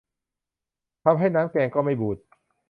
ทำให้น้ำแกงก็ไม่บูด